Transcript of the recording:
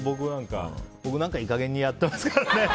僕なんかいい加減にやっていますから。